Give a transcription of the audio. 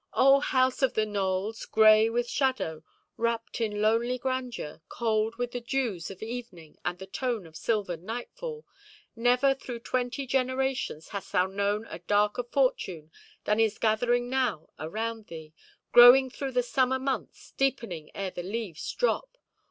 Oh! house of the Nowells, grey with shadow, wrapped in lonely grandeur, cold with the dews of evening and the tone of sylvan nightfall, never through twenty generations hast thou known a darker fortune than is gathering now around thee, growing through the summer months, deepening ere the leaves drop!